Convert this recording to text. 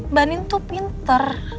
mbak andini tuh pinter